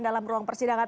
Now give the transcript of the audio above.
dalam ruang persidangan